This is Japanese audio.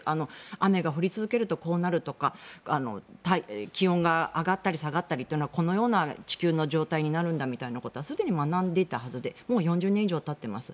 雨が降り続けるとこうなるとか気温が上がったり下がったりというのはこのような地球の状態になるんだということはすでに学んでいたはずでもう４０年以上たってます。